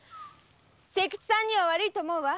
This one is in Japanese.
清吉さんには悪いと思うわ。